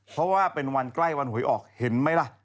เพราะว่าเป็นวันใกล้วันหวยออกเห็นไหมล่ะ